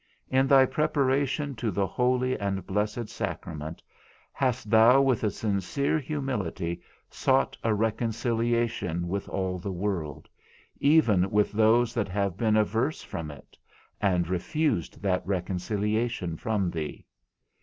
In thy preparation to the holy and blessed sacrament, hast thou with a sincere humility sought a reconciliation with all the world, even with those that have been averse from it, and refused that reconciliation from thee?